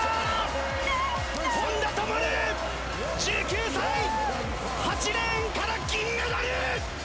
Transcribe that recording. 本多灯１９歳、８レーンから金メダル。